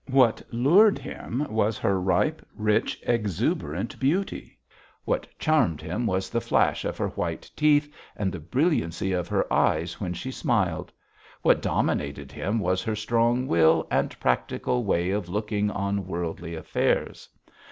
What lured him was her ripe, rich, exuberant beauty; what charmed him was the flash of her white teeth and the brilliancy of her eyes when she smiled; what dominated him was her strong will and practical way of looking on worldly affairs.